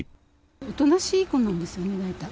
おとなしい子なんですよね。